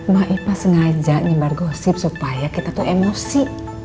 ma'ipa sengaja nyebar gosip supaya kita tuh emosi